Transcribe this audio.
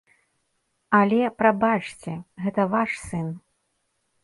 Але, прабачце, гэта ваш сын.